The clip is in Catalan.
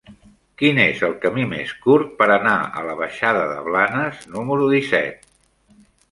Quin és el camí més curt per anar a la baixada de Blanes número disset?